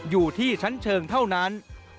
อยู่ที่ชั้นเชิงเท่านั้น